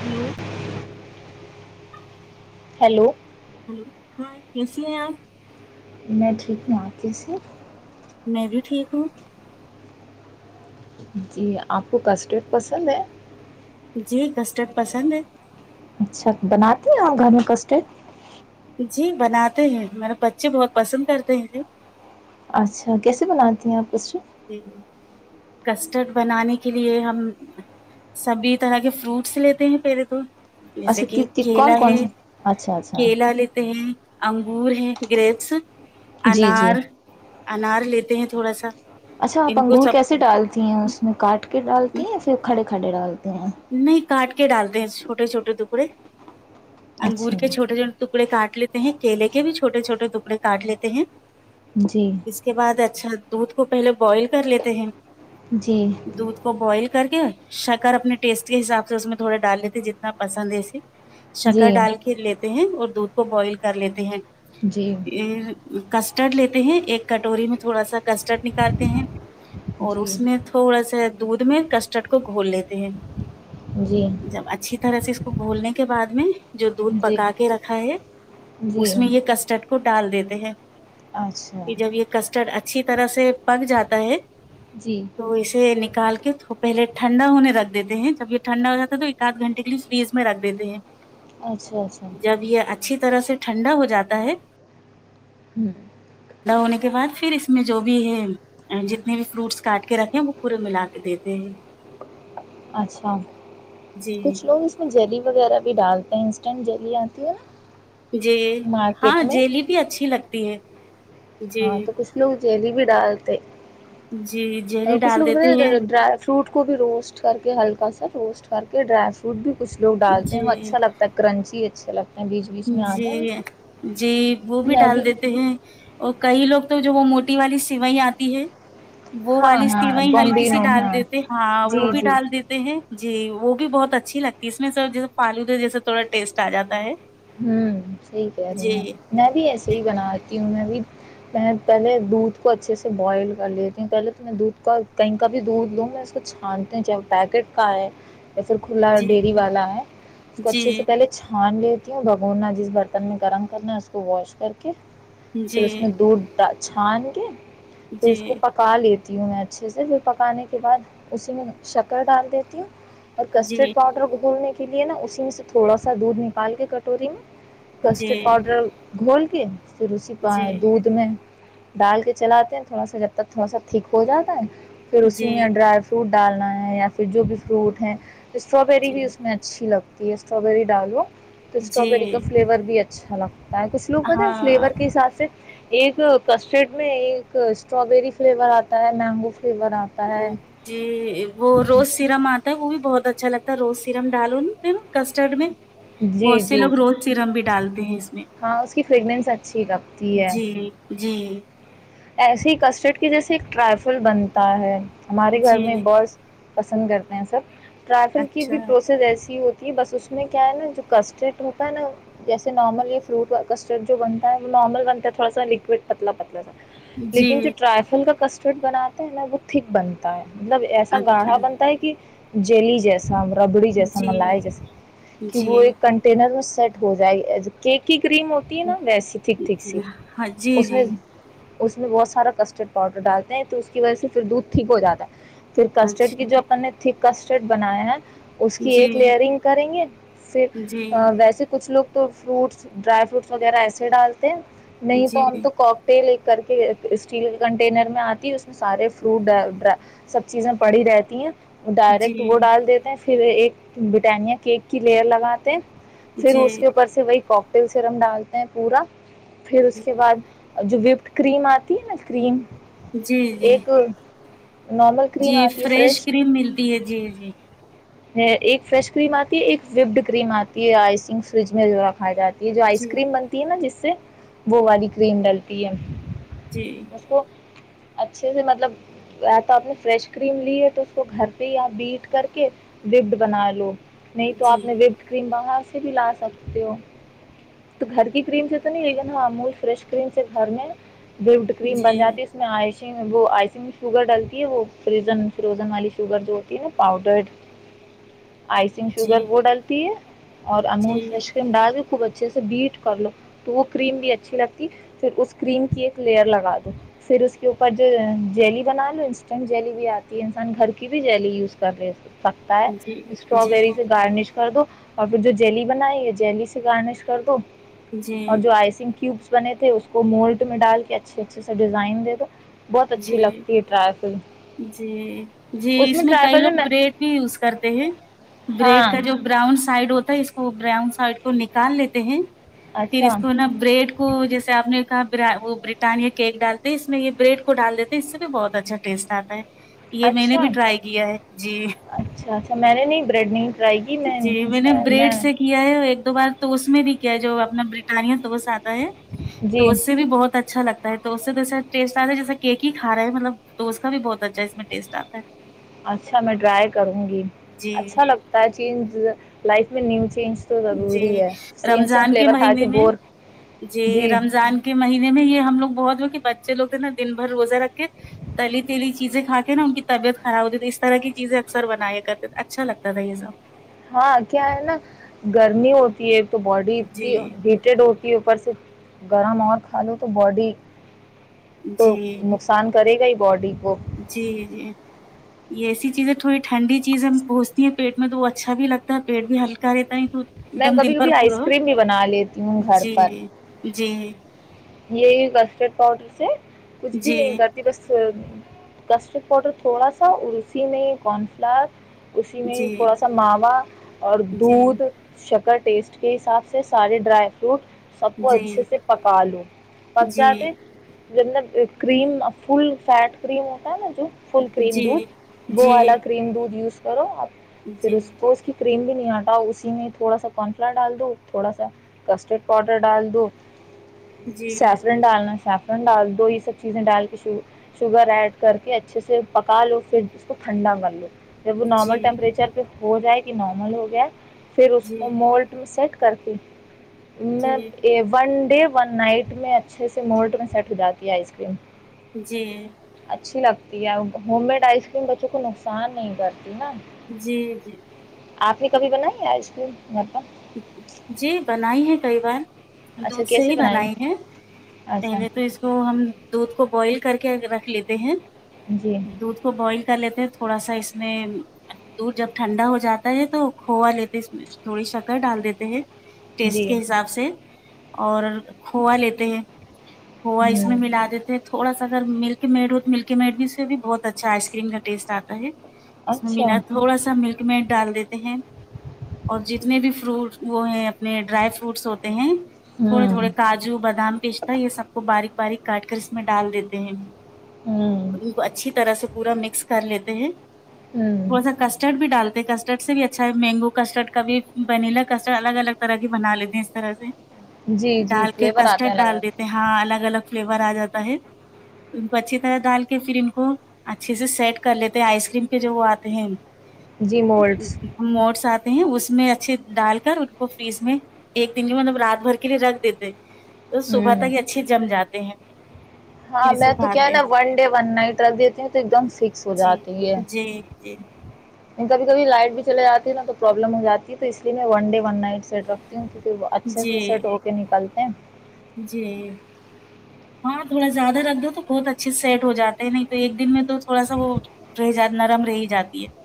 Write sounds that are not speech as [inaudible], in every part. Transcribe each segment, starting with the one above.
hello hello hello ہاں کیسیے ہیں آپ میں ٹھیک ہوں آپ کیسے میں بھی ٹھیک ہوں جی آپ کو کسٹرڈ پسند ہے جی کسٹرڈ پسند ہے اچھا بناتی ہیں گھر میں کسٹرڑ ہے جی بناتے ہیں میرے بچے بہت پسند کرتے ہیں جی اچھا کیسے بناتی ہیں آپ کسٹرڑ ج کسٹرڈ بنانے کے لیے ہم سبھی طرح کے فروٹس لیتے ہیں پہلے تو جیسے اچھا کہ کی- کی- کیلا کون ہے کون سے اچھا اچھا کیلا لیتے ہے انگور ہے گریپس جی جی انار انار لیتے ہیں تھوڑا سا اچھا آپ ان کو انگور کیسے سب ڈالتی ہیں اس میں کاٹ کے ڈالتی ہیں یا پھر کھڑے کھڈےر [inaudible] نہیں کاٹ کے ڈالتے ہیں چھوٹے چھوٹے ٹکڑے انگور اچھا کے چھوٹے چھوٹے ٹکڑے کاٹ لیتے ہیں کیلے کے بھی چھوٹے چھوٹے ٹکڑے کاٹ لیتے ہیں جی اس کے بعد اچھا دودھ کو پہلے بوائل کر لیتے ہیں جی دھ کو بوائل کر کے ساہاکار اپنے ٹیسٹ کے حساب سے اس میں تھوڑا ڈال لیتے جتنا پسند ہے ایے جی شکر جی ڈال کے لیتے ہیں اور دودھ کو بوائل کر لیتے ہیں جی کسٹرڈ لیتے ہیں ایک کٹوری میں تھوڑا ک نکالتے ہیں اور اس میں تھوڑا سا دودھ تمہیں کسٹرڈ کو گھول لیتے ہیں جی جب اچھی طرح سے کو گھولنے کے بعد میں جو دودھ جی پکا کے رکھا ہے جی اس میں یہ کسٹرڈ کو ڈال دیتے ہیں اچھا یہ جب یہ کسٹرڈ اچھا اچھی طرح سے پک جاتا ہے جی تو اسے ن نکال کے پہلے ٹھنڈا ہونے رکھ دیتے ہیں سب یہ ٹھنڈا ہو جا ہے تو ایکد گھنٹے لیے فریز رکھ دیتے ہیں اچھا اچھا جب یہ اچھی طرح سے ٹھنڈا ہو جاتا ہے ہوں پدا ہونے کے بعد پھر اس میں جو بھی ہے جتنے بھی فروٹس کاٹ کے رکھیں وہ پورے ملا کے دیتے ہیں اچھا جی کچھ لوگ اس میں جلی وغیرہ بھی ڈالتے ہیں انسٹنٹ جلی آتی ہے نا ج ہاں مارکیٹ میں جیلی بھی اچھی لگتی تی ہیں ہاں تو کچھ لوگ جیلی بھی ڈالتے جی جیلی ا کچھ ڈال لوگ دیتے ہیں پ ڈر فروٹ کو بھی روسٹ کر کے ہلکا سا روسٹ کر کے ڈرائی فروٹ بھی کچھوگ ڈالتے ہیں وہ جی اچھا لگتا ہے کرنچی سل جی جی وہ بھی ڈال دیتے ہیں اور کئی لوگ تو جو وہ موٹی والی سوئ آتی ہے وہ ہاں والی ہاں سیویں ہلکی سی بمبینو ڈال ہاں دیتے ہاں وہ جی بھی جی ڈال دیتے ہیں جی وہ بھی بہت اچھی لگتی ہے اس میں سر جیسے فالود جیسے تھوڑا ٹیسٹ آ جاتا ہے ہوں سی کہ رہی ہیں جی ند س جی بناا تی ہوں میں بھی میں پہلے دودھ کو اچھے سے بوائل کر لیتی ہوں پہلے تو میں دودھ کا کہیں کا بھی دودھ لوں میں اس کو چھانتی ہوں چاہے وہ پیکٹ کا ہے یا پھر کھلا ڈیری والا ہے اس کو اچھے سے جی پہلے چھان لی تی ہوں بگھورنا جس برتن میں گرم کرنا ہے اس کو واش کر کے پھر اس میں جی دودھ ڈال چھان کے جی تو اس کو جی پکا لی تی ہوں میں اچھے سے پھر پکانے کے بعد اسی میں شکر ڈال دیتی ہوں اور جی کسٹرڈ پاؤڈر کو دھومنے کے لیے نا اسی میں سے تھوڑا سا دودھ نکال کے کٹ ٹورم کسٹرڈ جی پاؤڈر گھول کے پھر اسی پا جی دودھ میں ڈال کے چلاتے ہیں تھوڑا سا جب تک تھوڑا سا ٹھیک ہو جاتا ہے پھر اسی جی میں ڈرائی فروٹ ڈالنا ہے یا پھر جو بھی فروٹ ہیں اسٹراببری جی بھی اس میں اچھی لگتی یہ اسٹرابری ڈالو تو جی سٹرابیری کا فلیور بھی ہے چھلا یں کچھ لوگ بتا ہاں فلیور کے حساب سے ایک کسٹرڈ میں ایک اسٹرابری فلیور آتا ہے مینگو فلیور آتا ہے جی وہ روز سیرم آتا ہے وہ بھی بہت تو اچھا لگتا ہے روز سرم ڈالوں پہا کسٹرڈ میں جی بہت سے جی لوگ روز سرم بھی ڈالتے ہیں اس میں ہاں اس کی فریگنینس اچھی لگتی ہے جی جی ایسے ہی کسٹرڈ کی جیسے ایک ٹرائفل بنتا ہے ہمارے گھر جی میں بس پسند کرتے ہیں سب ٹرریل کی اچھا بھی پروسیس ایسی ہوتی بس اس میں کیا ہے نا جو کسٹرڈ ہوتا نا جیسے نارمل یہ فروٹ کسٹرڈ جو بنتا ہے وہ نارمل بنتا ہے تھوڑا سا لکوڈ پتلا پتلا سا جی لیکن جو ٹرائفل کا کسٹم فٹ بناتے ہیں نہ وہ تھک بنتا ہے مطلب ایسا گاڑھا اچھا بنتا ہے کہ جلیجس سا ربڑی جیسا جی ملائی جیسا کہ وہ جی ایک کنٹینر سیٹ ہو جائے گی کی کریم ہوتی ہے نا ویسی ٹھیک ٹھیک جی سی ہاں جی اس میں جی اس میں بہت سارا کسٹرڈ پاؤڈر ڈالتے ہیں تو اس کی وجہ سے پھر دودھ ٹھیک ہو جاتا ہے پھر کسٹرڈ اچھا کی جو اپ نے تھک کسٹرڈ بناائے ہیں اس کی جی ایک لیئرنگ کریں گے پھر جی ویسے کچھ لوگ تو فروٹس ڈرائی فروٹس وغیرہ ایسے ڈال جی نہیں جی تو ہم تو ل کر کے اسٹیل کنٹینر میں آتی اس کے سارے فروٹر سب چیزیں پڑھی رہتی ہیں ڈائریکٹ وہ ڈال دیتے ہیں پھر ایک بریٹانیا کیک کی لیئر لگاتے پھر اس جی کے اوپر سے وہی پکٹیل سرم ڈالتے ہیں پورا پھر اس کے بعد جو وپڈ کریم آتی ہے نا کریم جی جی ایک نارمل کریم جی آتی ہے فریش کریم ملتی ہے جی جی ایک فریش کریم آتی ہے ایک وبڈ کریم آتی ہے آئسنگ فریج میں جو کھ جاتی ہے جو آئس جی کریم بنتی ہے نا جس سے وہ والی کریم ڈلتی ت ایم جی اچھے سے مطلب تو آپ نے فریش کریم لی ہے تو اس کو گھر پہ یہ بیٹ کر کے وپڈ بنا لو نہیں تو جی آپ نے وپ کریم مانگا بھی لا سکتے ہو تو گھر کی کریم سے تو نہیں لیکن ہ امول فریش کریم سے اس سے گھر میں وپڈ کریم جی بناتی ہے اس میں آئش وہ آئسنگ شوگر ڈالتی ہے وہ فری فروزن والی شوگر جو ہوتی ہے نا پاؤڈرڈ آئسنگ جی شوگر وہ ڈلتی ہے اور امول جی فریش کریم ڈال بھی خوب اچھا اچھے سے بیٹ کر لو تو وہ کریم بھی اچھی لگتی پھر اس کریم کی ایک لیئر لگا دو پھر اس کے اوپر جو جیلی بنا لو انسٹنٹ جیلی بھی آتی ہے انسان گھر کی بھی جیلی یوز کر رہے ہے کو سکتا ہے جی جی اسٹراابیری سے گارنش کو کر دو اور پھر جو جیلی بنائی ہے جیلی سے گارنش کر دو اور جی جو آئسنک کیوب بنے تھے اس وہ مولٹ میں ڈال کے اچھے اچھے سے ڈیزائن دے دو بہت اچھی جی لگتی ہے ٹرائفل جی جی اس میں کئی لوگ بریڈ بھی یوز کرتے ہیں بریڈ ہاں کا جو براؤن سائڈ ہوتا ہے اس کو براؤن سائڈ کو نکال لیتے ہیں پھر اچھا اس کو نا بریڈ کو جیسے آپ نے کا وہ برٹانیا کیک ڈالتے اس میں یہ بریڈ کو ڈال دیتے ہیں اس سے بہت اچھا ٹیسٹ آتا ہے یہ میں نے اچھا بھی ٹرائی کیا ہے جی اچھا اچھا میں نے نہیں بریڈ نہیں ٹرائی کی جی میں نے اچھا بریڈ میں سے کیا ہے ایک دو بار تو اس میں د کیا جو اپنا برٹان تو وہ سات تو جی اس سے بھی بہت اچھا اچھا لگتا ہے تو اس سے دوسر ٹیسٹ آتا ہیں جیسے کیک ہیھا رہے ہیں مطلب تو اس کا بھی بہت اچھا ہے اس میں ٹیسٹ آتا ہے اچھا میں ٹرائی کروں گی جی اچھا لگتا ہے چ لائ نیو چینج تو جی ضروری ہے سیم سیم رمضان کے فلیور کھا مہینے میں بور جی رمضان کے مہینے میں یہ ہم لوگ بہت ل بچے لگ ہیں نا دن بھر روزہ رکھ کے تلی تیلی چیزیں کھا کے نا ان کی طبیعت خراب ہوتی تھی اس طرح کی چیزیں اکثر بنایا کرتے تھے اچھا لگتا تھا یہ سب ہاں کیا ہے نا گرمی ہوتی ہے تو باڈی جی اتنی ہیٹیڈ ہوتی ہے اوپر سے گرم اور کھا لو تو باڈی جی تو نقصان کرے گا ہی باڈی کو جی جی یہ ایسی چیزیں تھوڑی ٹھنی چیزیں پہچتی ہیں پیٹ میں تو وہ اچھا لگتا ہے پیٹ بھی ہلکا رہتا ہے تو ایک میں دم دن کبھی بھر کبھی آئس پورا کریم بھی بنا لیتی ہوں گھر پر جی جی جی یہ کسٹرڈ پاؤڈر سے کچھ بھی نہیں جی کرتی بس کسٹرڈ پاؤڈر تھوڑا سا اسی میں کن فلاور [inaudible] اسی میں تھوڑا جی سا ماوا اور جی دودھ شکٹ ٹیسٹ کے حساب سے سارے ڈرائی فروٹ سب جی جی کو جی اچھے سے پکا لو جی پچات [unintelligible] جب کریم فل فیٹ کریم ہوتا ہے نا [unintelligible] فل کریم جی جی جی دودھ بووا کریم دودھ یوز کر [unintelligible] کرو آپ جی [unintelligible] پھر اس کو اس کی کر [unintelligible] کریم بھی نہیں ہٹا اسی میں تھوڑا سا کارنفلاور ڈال دو تھوڑا سا کسٹرڈ پاؤڈر ڈال دو [unintelligible] سیفرن ڈالنا سیف [unintelligible] ڈال دو یہ سب چیزیں ڈال کے ش شوگر ایڈ کر کے اچھے سے پکا لو پھر اس کو ٹھنڈا کر لو [unintelligible] ج وہ نارمل جی ٹمپریچر پ [unintelligible] ہو جائے کہ نارمل ہو گیا [unintelligible] پھر اس کو مالٹ میں سے [unintelligible] کرتی [unintelligible] ون ڈ [unintelligible] ون نائٹ میں اچ [unintelligible] ھے سے مٹ میں سیٹ ہو جاتی ہے آئس کریم جی [inaudible] اچھی لگتی ہے ہوم میڈ آئس کریم بچوں کو نقصان نہیں کرتی نا [unintelligible] جی جی [unintelligible] آپ نے کبھی بنائی ہے آئس کریم [unintelligible] جی بنائی ہے کئی بار [unintelligible] اچھا دودھ سے کیسے ہی بنائی ہے اچھا پہلے تو اس کو ہم دودھ کو [unintelligible] بوائل کر کے رکھ لیتے ہیں جی [unintelligible] دودھ کو بوائل [unintelligible] کر لیتے تھوڑا سا اس میں دور جب ٹھنڈا ہو جاتا ہے تو کھوا لیتے اس میں تھوڑی سا [unintelligible] ڈال دیتے ہیں [unintelligible] ٹیسٹ جی کے حساب سے [unintelligible] اور کھووا لیتے ہیں [unintelligible] ہوا اس میں ہوں ملا دیتے تھوڑا سا [unintelligible] اگر ملک میڈ ہو تو ملک میڈ بھی اس سے بھی بہت اچھا آئس کریم کا ٹیسٹ آتا ہے [unintelligible] اس میں اچھا ملا تھوڑا سا ملک میٹ [unintelligible] ڈال دیتے ہیں اور جتنے بھی [unintelligible] فروٹ وہ ہیں اپنے ڈرائی فروٹس ہوتے ہیں [unintelligible] تھوڑے ہوں تھوڑے کاجو بادام پستا یہ سب کو باریک باریک کاٹ کر اس میں ڈال دیتے ہیں ہوں [unintelligible] ان کو اچھی طرح سے پورا مکس کر لیتے ہیں ہوں تھ سا کسٹرڈ بھی ڈال کسٹرڈ سے بھی اچھا ہے مینگو کسٹرڈ کا بھی بنیلا کسٹرڈ الگ الگ طرح کی بنا لیتے ہیں اس طرح سے جی جی ڈال کے فلیور آتے کسٹرڈ ہیں لگ ڈال رہا دیتے ہاں الگ الگ فلیور آ جاتا ہے ان کو اچھی طرح ڈال کے پھر ان کو اچھے سے سیٹ کر لیتے ہیں آئس کریم کے جو وہ آتے ہیں ہے جی مولڈس م ساتھ ہیں اس میں اچھے ڈال کر ان کو فریج میں ایک دن میں مطلب رات بھر کے لیے رکھ دیتے تو صبح ہوں تک ہی اچھی جم جاتا ہیں پھر ہاں اس کو میں تو کیا ہے کھاتے ہیں نا ون ڈے ون نائٹ رکھ دیتی ہوں تو ایک دم فکس ہو جی جاتی ہے جی جی کبھی کبھی لائٹ بھی چل جاتی نا تو پرابلم ہو جاتی تو اس لیے میں ون ڈے ون نائٹ سٹ رکھتی ہوں کیونکہ وہ اچھے سے جی سیٹ ہو کے نکلتی ا جی ہاں تھوڑا زیادہ رکھ دو تو بہت اچھے سے سیٹ ہو جاتے ہیں نہیں تو ایک دن میں تو تھوڑا سا وہ رہ جات نرم رہ ہی جاتی ہے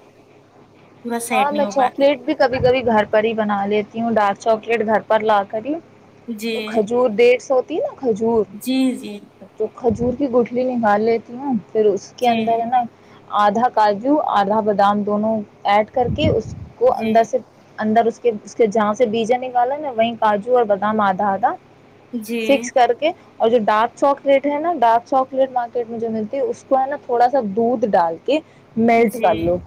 پورا ہاں سیٹ نہیں میں ہو پاتی چواکلیٹ بھی کبھی کبھی گھر پہ ہی بنا لیتی ہوں ڈارک چاکلیٹ گھر پر لا کر ہی تو جی کھجور ڈیڑھ سو ہوتی نا کھجور جی جی تو کھجور گوٹلی نکال لیتیھی نا پھر اس کے جی اندر نا آدھا کاجو آدھا بادام دونوں ایڈ کر کے اس کو جی اندر سےر اندر اس کہ اس کے جہاں سے بیجا نکالا نا وہی کاجو اور بادام آدھا آدھا جی سکس کر کے اور جو ڈارک چاکلیٹ ہے نا ڈارک چاکلیٹ مارکیٹ میں جو ملتی ہے اس کو ہے نا تھوڑا سا دودھ ڈال کہ میلٹ کر جی لو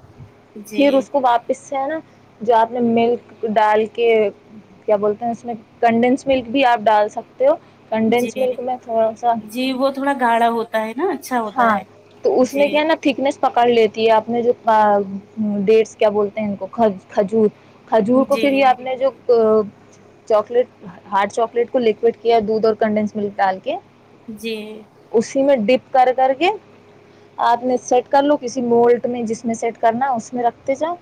پھر جی اس سے نا جو آپ نے ملک ڈال کے کیا بولتے ہیں اس میں کنڈینس ملک بھی آپ ڈال سکتے ہو کنڈینس جی ملک میں تھوڑا سا جی وہ تھوڑا گاڑھا ہوتا ہے نا اچھا ہوتا ہاں ہے تو اس جی میں کیا ہے نا تھکنیس پکڑ لیتی ہے آپ نے جو ڈھ س کیا بولتے ہیں ان کو ک کھجور کھجور کو جی پھر یہ آپ نے جو چاکلیٹ ہاٹ چاکلیٹ کو لکوڈ کیا دودھ اور کنڈینس ملک ڈال کے جی اسی میں ڈپ کر کر کے آپ میں سیٹ کر لو کسی مولٹ میں جس میں سیٹ کرنا اس میں رکھ ا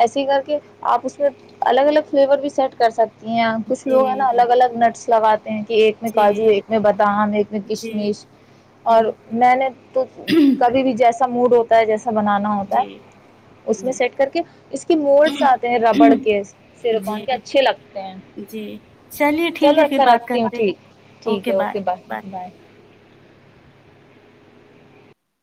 ایسے ہی کر کے آپ اس میں الگ الگ فلیور بھی سیٹ کر سکتے یہاں کچھ جی لوگ ہے نا جی الگ الگ نٹس لگاتے ہیں کہ ایک میں کاجو جی ایک میں بادام ایک میں جی کشمش اور میں نے تو کبھی بھی جیسا موڈ ہوتا تج [inaudible] بنانا ہوتا جی ہے اس میں جی سیٹ کر کے اس کے موڈس آتے ہیں ربڑ کے سیرکان جی کے اچھے لگتے ہیں جی چلیے ٹھیک چلو ہے پھر اچھا بات رکھتے کرتے ہٹھیک ٹھیک ہے اوکے بائے بائے